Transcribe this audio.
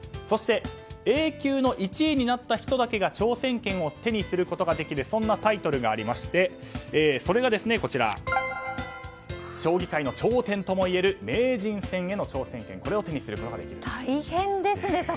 そしてＡ級の１位になった人だけが挑戦権を手にすることができるタイトルがありましてそれが将棋界の頂点ともいえる名人戦への挑戦権を大変ですね